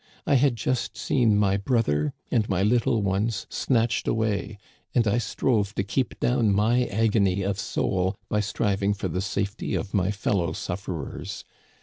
I had just seen my brother and my little ones snatched away, and I strove to keep down my agony of soul by striving for the safety of my fellow suflferers.